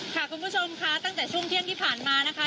คุณผู้ชมค่ะตั้งแต่ช่วงเที่ยงที่ผ่านมานะคะ